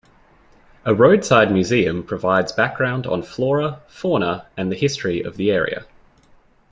A roadside museum provides background on flora, fauna, and the history of the area.